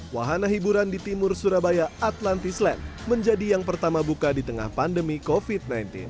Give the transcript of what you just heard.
wahana hiburan di timur surabaya atlantis land menjadi yang pertama buka di tengah pandemi covid sembilan belas